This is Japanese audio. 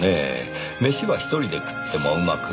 飯は一人で食ってもうまくない。